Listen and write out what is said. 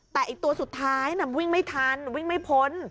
แต่อีกตัวสุดท้ายน่ะวิ่งไม่ทันวิ่งไม่พ้น